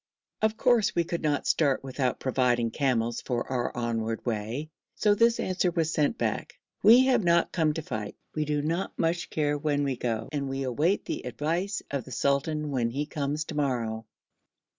Of course we could not start without providing camels for our onward way, so this answer was sent back: 'We have not come to fight; we do not much care when we go, and we await the advice of the sultan when he comes to morrow.'